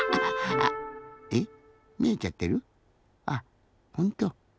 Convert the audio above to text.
あっほんと。